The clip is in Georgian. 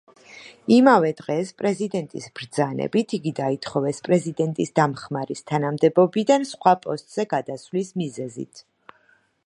იმავე დღეს, პრეზიდენტის ბრძანებით, იგი დაითხოვეს პრეზიდენტის დამხმარის თანამდებობიდან სხვა პოსტზე გადასვლის მიზეზით.